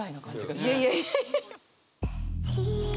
いやいや。